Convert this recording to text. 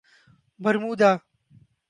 Bermuda